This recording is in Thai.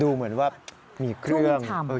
ดูเหมือนว่ามีเครื่องชุ่มฉ่ำ